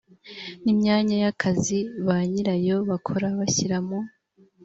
n imyanya y akazi ba nyirayo bakora bashyira mu